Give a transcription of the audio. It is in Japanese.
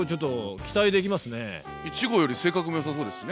１号より性格もよさそうですしね。